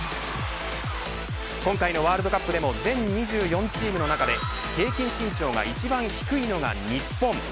今回のワールドカップでも全２４チームの中で平均身長が一番低いのが日本。